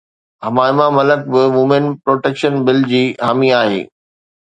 حمائمه ملڪ به women protection bill جي حامي آهي